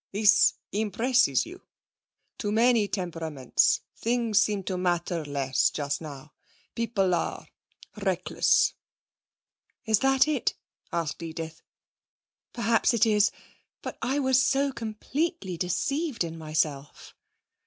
This impresses you. To many temperaments things seem to matter less just now. People are reckless.' 'Is it that?' asked Edith. 'Perhaps it is. But I was so completely deceived in myself.'